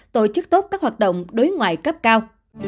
tổ chức tốt các hoạt động đối ngoại cấp cao